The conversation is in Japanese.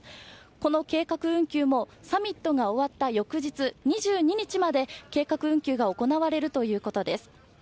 この計画運休もサミットが終わった翌日２２日まで計画運休が行われるということです。